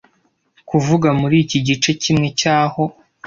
kuvuga muriki gice kimwe cyaho